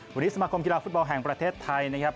วันนี้สมาคมกีฬาฟุตบอลแห่งประเทศไทยนะครับ